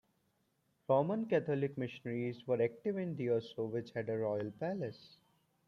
Roman Catholic missionaries were active in Diosso, which had a royal palace.